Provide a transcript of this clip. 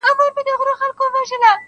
د انصاف په تله خپل او پردي واړه,